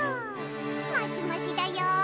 マシマシだよ